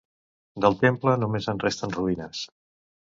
Del temple només en resten ruïnes.